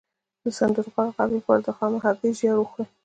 د سندرغاړو د غږ لپاره د خامې هګۍ ژیړ وخورئ